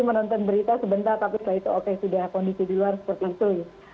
menonton berita sebentar tapi setelah itu oke sudah kondisi di luar seperti itu